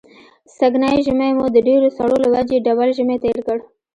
سږنی ژمی مو د ډېرو سړو له وجې ډبل ژمی تېر کړ.